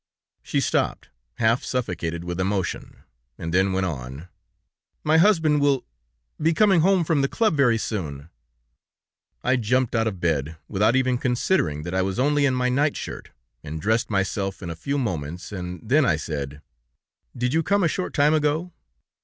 She stopped, half suffocated with emotion, and then went on: 'My husband will... be coming home from the club very soon.' "I jumped out of bed, without even considering that I was only in my night shirt, and dressed myself in a few moments, and then I said: 'Did you come a short time ago?'